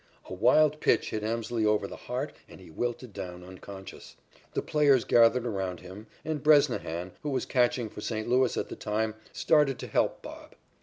A wild pitch hit Emslie over the heart and he wilted down, unconscious. The players gathered around him, and Bresnahan, who was catching for St. Louis at the time, started to help "Bob."